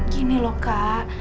gini loh kak